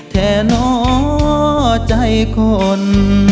แท่หน่อใจคน